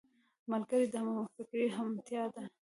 ملګری د همفکرۍ همتيا دی